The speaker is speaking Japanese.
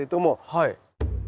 はい。